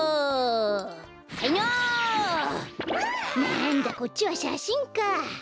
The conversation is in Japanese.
なんだこっちはしゃしんか。